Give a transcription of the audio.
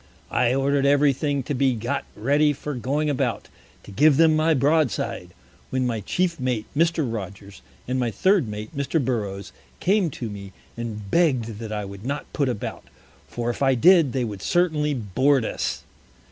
I order'd everything to be got ready for going about, to give them my Broad side, when my Chief Mate Mr. Rogers, and my Third Mate Mr. Burroughs came to me, and begg'd that I would not put about, for if I did, they would certainly board us.